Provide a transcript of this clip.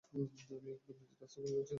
আমি একদম নিজের রাস্তা খুঁজে পাচ্ছি না।